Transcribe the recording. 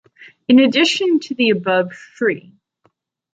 In addition to the above Sri.